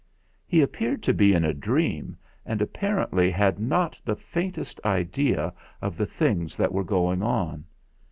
He appeared to be in a dream, and appar ently had not the faintest idea of the things that were going on.